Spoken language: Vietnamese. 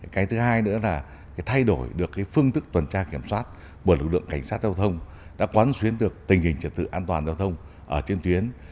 cái thứ hai nữa là thay đổi được phương thức tuần tra kiểm soát của lực lượng cảnh sát giao thông đã quán xuyến được tình hình trật tự an toàn giao thông trên tuyến